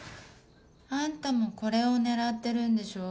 あんたもこれを狙ってるんでしょ？